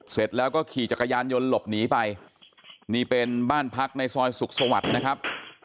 เสร็จแล้วก็ขี่จักรยานยนต์หลบหนีไปนี่เป็นบ้านพักในซอยสุขสวรรค์นะครับ